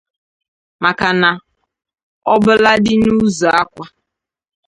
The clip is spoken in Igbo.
maka na ọbụladị n'ụzụ akwa